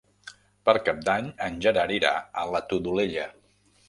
Per Cap d'Any en Gerard irà a la Todolella.